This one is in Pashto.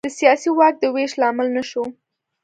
د سیاسي واک د وېش لامل نه شو.